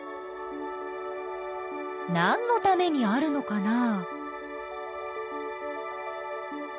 なんのためにあるのかな？